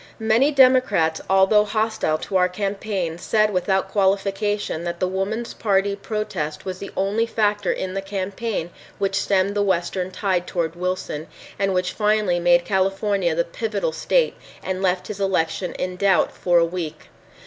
Many Democrats although hostile to our campaign said without qualification that the Woman's Party protest was the only factor in the campaign which stemmed the western tide toward Wilson, and which finally made California the pivotal state and left his election in doubt for a week.